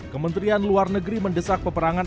kementerian luar negeri mendesak peperangan